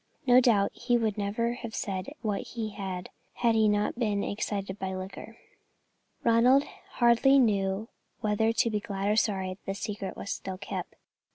No doubt he never would have said what he did had he not been excited by liquor. Ronald hardly knew whether to be glad or sorry that the secret was still kept.